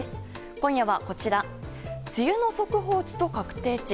今夜は、梅雨の速報値と確定値。